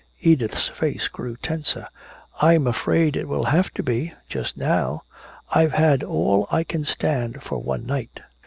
Edith's face grew tenser: "I'm afraid it will have to be just now I've had about all I can stand for one night!"